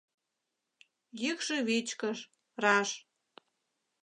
Йӱкшӧ вичкыж, раш.